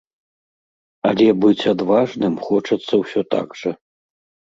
Але быць адважным хочацца ўсё так жа.